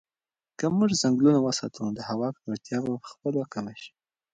که موږ ځنګلونه وساتو نو د هوا ککړتیا به په خپله کمه شي.